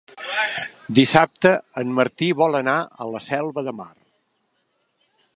Dissabte en Martí vol anar a la Selva de Mar.